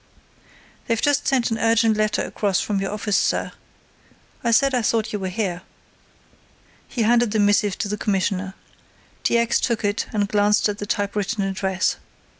"They've just sent an urgent letter across from your office, sir. I said I thought you were here." He handed the missive to the Commissioner. T. X. took it and glanced at the typewritten address.